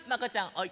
おい。